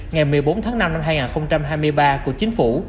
ngày một mươi bốn tháng năm năm hai nghìn hai mươi ba của chính phủ